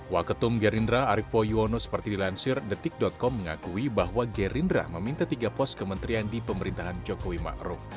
waketum gerindra arief poyuono seperti dilansir detik com mengakui bahwa gerindra meminta tiga pos kementerian di pemerintahan jokowi ⁇ maruf ⁇